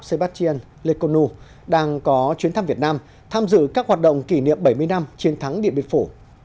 sébastien lekonu đang có chuyến thăm việt nam tham dự các hoạt động kỷ niệm bảy mươi năm chiến thắng điện biên phủ